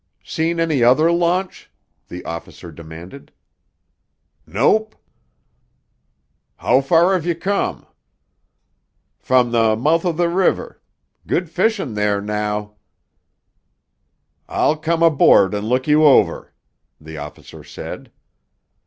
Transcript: "Seen any other launch?" the officer demanded. "Nope!" "How far have you come?" "From the mouth o' th' river. Good fishin' there now." "I'll come aboard and look you over," the officer said.